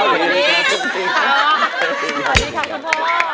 ขอบคุณครับ